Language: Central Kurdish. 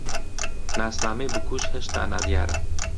ناسنامەی بکوژ هێشتا نادیارە.